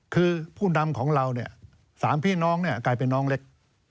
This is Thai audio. คือผู้นำของเราเนี่ย๓พี่น้องกลายเป็นน้องเล็ก